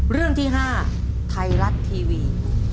เรื่องที่ห้าไทรัตทีวี